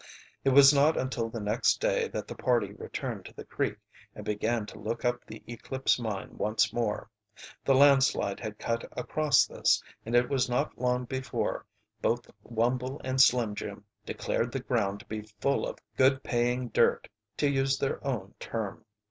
It was not until the next day that the party returned to the creek and began to look up the Eclipse Mine once more. The landslide had cut across this, and it was not long before both Wumble and Slim Jim declared the ground to be full of good paying "dirt," to use their own term.